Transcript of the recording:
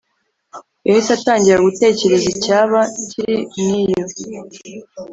yahise atangira gutekereza icyaba kiri mwiyo